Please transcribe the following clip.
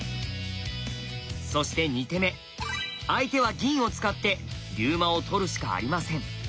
そして２手目相手は銀を使って龍馬を取るしかありません。